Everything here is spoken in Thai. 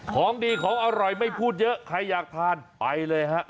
ของดีของอร่อยไม่พูดเยอะใครอยากทานไปเลยฮะ